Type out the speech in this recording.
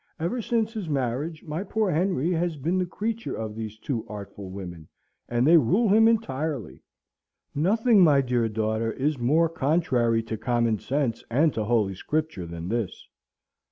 Ever since his marriage, my poor Henry has been the creature of these two artful women, and they rule him entirely. Nothing, my dear daughter, is more contrary to common sense and to Holy Scripture than this.